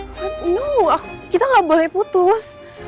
what no kita nggak boleh putus